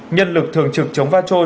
nhân lực thường trực chống va trôi